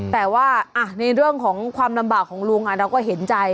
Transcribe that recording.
แต่ว่าในเรื่องของความลำบากของลุงเราก็เห็นใจ